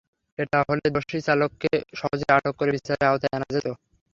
এটা হলে দোষী চালককে সহজেই আটক করে বিচারের আওতায় আনা যেত।